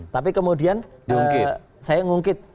tapi kemudian saya ngungkit